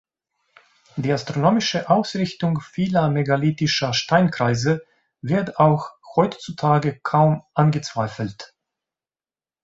Die astronomische Ausrichtung vieler megalithischer Steinkreise wird auch heutzutage kaum angezweifelt.